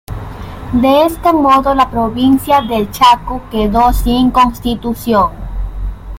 De este modo la provincia del Chaco quedó sin constitución.